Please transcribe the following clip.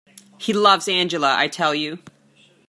He loves Angela, I tell you.